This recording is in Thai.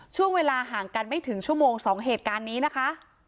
ช่วงเวลาห่างกันไม่ถึงชั่วโมง๒เหตุการณ์นี้นะคะ